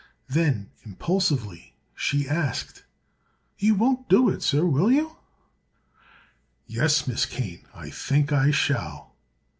Then, impulsively, she asked: "You won't do it, sir; will you?" "Yes, Miss Kane; I think I shall."